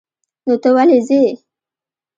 نو ته ولې ځې؟